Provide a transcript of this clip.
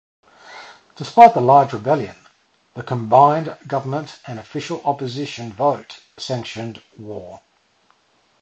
Despite a large rebellion, the combined Government and official Opposition vote sanctioned war.